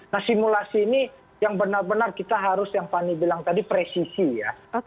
nah simulasi ini yang benar benar kita harus yang fani bilang tadi presisi ya